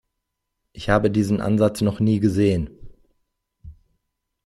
Ich habe diesen Ansatz noch nie gesehen.